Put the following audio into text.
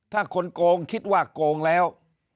ถ้าคนโกงคิดว่าโกงแล้ว